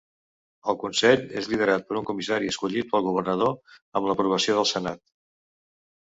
El consell és liderat per un comissari, escollit pel governador amb l'aprovació del Senat.